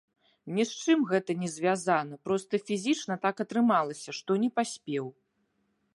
Ні з чым гэта не звязана, проста фізічна так атрымалася, што не паспеў.